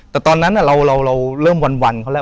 แต่ตอนนั้นเราเริ่มวันเขาแล้ว